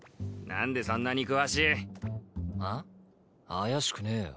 怪しくねえよ